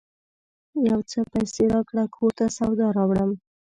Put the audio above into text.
یو څه پیسې راکړه ! کور ته سودا راوړم